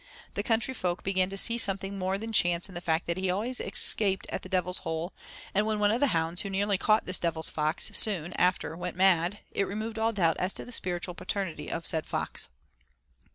The country folk began to see something more than chance in the fact that he always escaped at the Devil's Hole, and when one of the hounds who nearly caught this Devil's Fox soon after went mad, it removed all doubt as to the spiritual paternity of said fox.